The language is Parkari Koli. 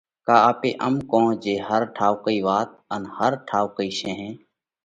ڪا آپي ام ڪون جي ھر ٺائُوڪِي وات ان ھر ٺائُوڪئي شينھ